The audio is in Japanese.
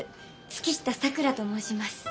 月下咲良と申します。